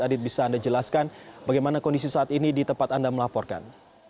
adit bisa anda jelaskan bagaimana kondisi saat ini di tempat anda melaporkan